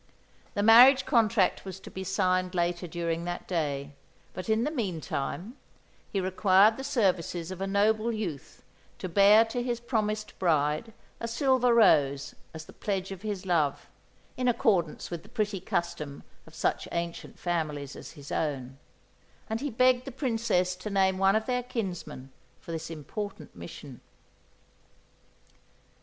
The marriage contract was to be signed later during that day; but, in the meantime, he required the services of a noble youth to bear to his promised bride a silver rose as the pledge of his love, in accordance with the pretty custom of such ancient families as his own and he begged the Princess to name one of their kinsmen for this important mission.